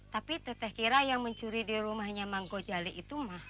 tapi teteh kira yang mencuri di rumahnya mangko jali itu mah